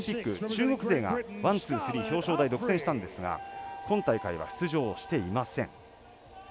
中国勢がワン、ツー、スリー表彰台独占したんですが今大会は出場していません。